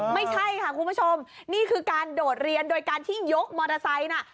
ไม่ใช่ค่ะคุณผู้ชมนี่คือการโดดเรียนโดยการที่ยกมอเตอร์ไซค์น่ะ